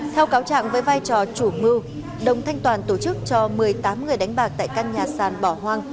theo cáo trạng với vai trò chủ mưu đồng thanh toàn tổ chức cho một mươi tám người đánh bạc tại căn nhà sàn bỏ hoang